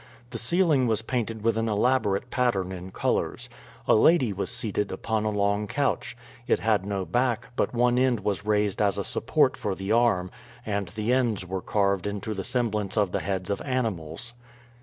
The ceiling was painted with an elaborate pattern in colors. A lady was seated upon a long couch. It had no back, but one end was raised as a support for the arm, and the ends were carved into the semblance of the heads of animals.